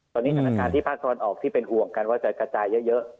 ตอนนี้สถานการณ์ที่ภาคตะวันออกที่เป็นห่วงกันว่าจะกระจายเยอะ